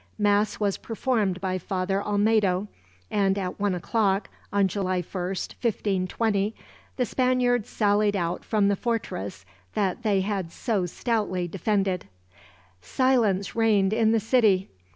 Mass was performed by Father Olmedo; and at one o'clock on July 1st, 1520, the Spaniards sallied out from the fortress that they had so stoutly defended. Silence reigned in the city.